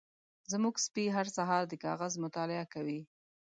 زمونږ سپی هر سهار د کاغذ مطالعه کوي.